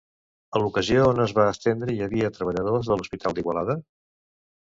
A l'ocasió on es va estendre hi havia treballadors de l'Hospital d'Igualada?